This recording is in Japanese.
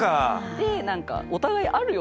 でなんかお互いあるよね？